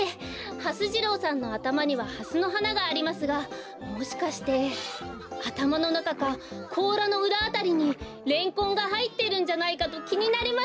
はす次郎さんのあたまにはハスのはながありますがもしかしてあたまのなかかこうらのうらあたりにレンコンがはいってるんじゃないかときになりまして。